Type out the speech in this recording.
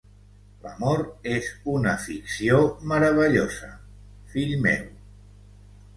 L'amor és una ficció meravellosa, fill meu.